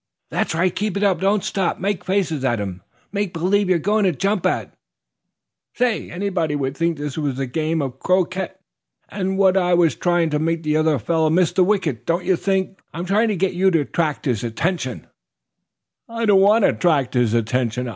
"That's right, keep it up. Don't stop. Make faces at him, make believe you're going to jump at " "Say, anybody would think this were a game of croquet and that I was trying to make the other fellow miss the wicket. Don't you think " "I'm trying to get you to attract his attention " "I don't want to attract his attention.